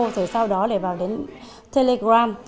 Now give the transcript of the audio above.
rồi sau đó lại vào đến telegram